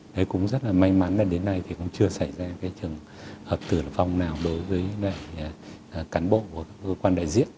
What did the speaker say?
thế cũng rất là may mắn là đến nay thì cũng chưa xảy ra cái trường hợp tử vong nào đối với các cán bộ của cơ quan đại diện